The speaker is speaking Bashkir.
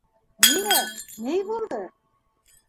Нимә, ни булды?